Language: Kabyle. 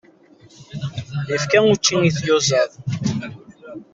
Yefka učči i tyuẓaḍ.